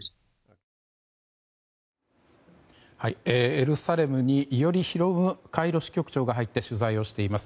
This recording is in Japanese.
エルサレムに伊従啓カイロ支局長が入って取材をしています。